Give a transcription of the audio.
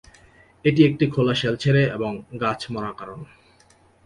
এটি একটি খোলা শেল ছেড়ে এবং গাছ মরা কারণ।